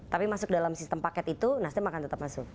tapi masuk dalam sistem paket itu nasdem akan tetap masuk